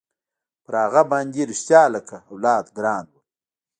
پر هغه باندې رښتيا لكه اولاد ګران وم.